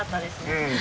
うん。